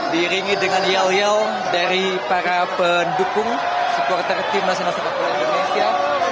diringi dengan yel yel dari para pendukung supporter tim nasional sepak bola indonesia